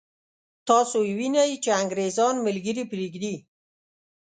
تاسو یې وینئ چې انګرېزان ملګري پرېږدي.